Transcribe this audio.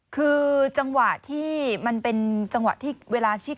คือจังหวะที่มันเป็นจังหวะที่เวลาชิด